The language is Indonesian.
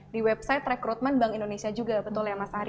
di website rekrutmen bank indonesia juga betul ya mas ari